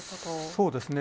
そうですね。